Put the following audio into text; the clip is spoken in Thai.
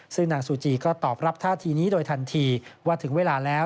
ซึ่งนางซูจีก็ตอบรับท่าทีนี้โดยทันทีว่าถึงเวลาแล้ว